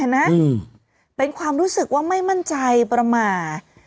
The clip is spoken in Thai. เห็นไหมนะอืมเป็นความรู้สึกว่าไม่มั่นใจประมาณ